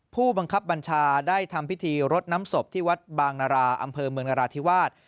ผู้บังคับบัญชาได้ทำพิธีรดน้ำศพที่วัดบางนาราอำเภอเมืองนราธิวาส